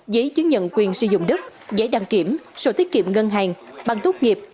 giấy chứng nhận quyền sử dụng đất giấy đăng kiểm sổ tiết kiệm ngân hàng bằng tốt nghiệp